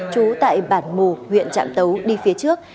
trú tại bản mù huyện trạm tấu đi phía trước